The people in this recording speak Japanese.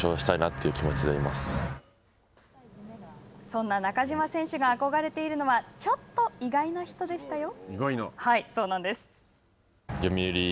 そんな中島選手が憧れているのはちょっと意外な人でしたよ。